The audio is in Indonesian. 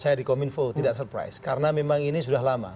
saya di kominfo tidak surprise karena memang ini sudah lama